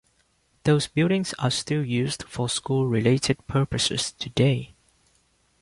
Those buildings are still used for school related purposes today.